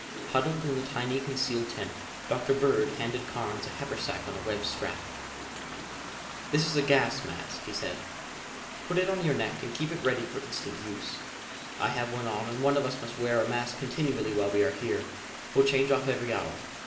Huddled in the tiny concealed tent, Dr. Bird handed Carnes a haversack on a web strap. "This is a gas mask," he said. "Put it on your neck and keep it ready for instant use. I have one on and one of us must wear a mask continually while we are here. We'll change off every hour.